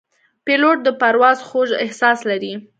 پیلوټ د پرواز خوږ احساس لري.